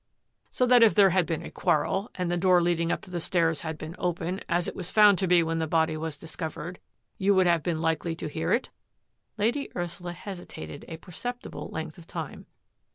" So that if there had been a quarrel, and the door leading up to the stairs had been open, as it was found to be when the body was discovered, you would have been likely to hear it? " Lady Ursula hesitated a perceptible length of time.